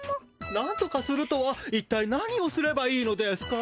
なんとかするとはいったい何をすればいいのですか？